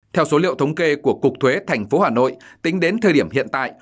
theo số liệu thống kê của cục thuế thành phố hà nội tính đến thời điểm hiện tại